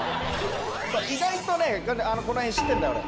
意外とねこの辺知ってんだ俺。